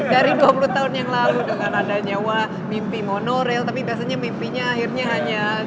dari dua puluh tahun yang lalu dengan adanya mimpi monorail tapi biasanya mimpinya akhirnya hanya